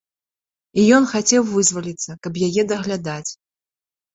І ён хацеў вызваліцца, каб яе даглядаць.